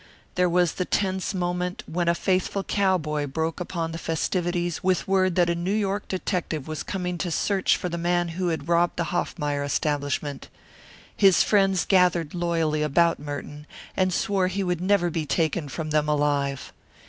There was the tense moment when a faithful cowboy broke upon the festivities with word that a New York detective was coming to search for the man who had robbed the Hoffmeyer establishment. His friends gathered loyally about Merton and swore he would never be taken from them alive.